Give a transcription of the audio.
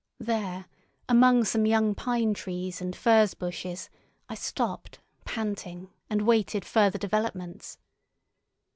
There, among some young pine trees and furze bushes, I stopped, panting, and waited further developments.